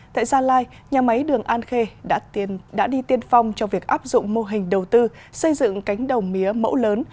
tại gia lai nhà máy đường an khê đã đi tiên phong trong việc áp dụng mô hình đầu tư xây dựng cánh đồng mía mẫu lớn